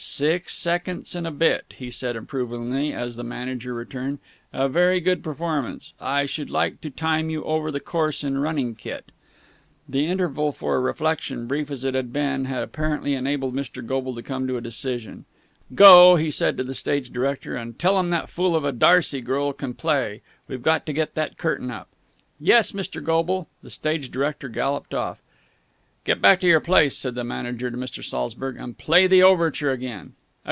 "Six seconds and a bit," he said approvingly, as the manager returned. "A very good performance. I should like to time you over the course in running kit." The interval for reflection, brief as it had been, had apparently enabled Mr. Goble to come to a decision. "Go," he said to the stage director, "and tell 'em that fool of a D'Arcy girl can play. We've got to get that curtain up." "Yes, Mr. Goble." The stage director galloped off. "Get back to your place," said the manager to Mr. Saltzburg, "and play the overture again."